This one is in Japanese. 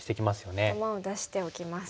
頭を出しておきます。